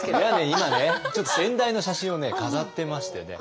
今ねちょっと先代の写真を飾ってましてね。